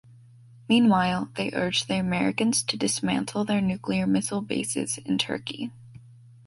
Meanwhile, they urged the Americans to dismantle their nuclear missile bases in Turkey.